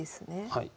はい。